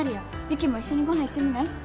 雪も一緒にご飯行ってみない？